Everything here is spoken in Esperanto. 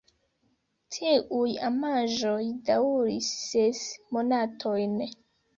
Tiuj amaĵoj daŭris ses monatojn.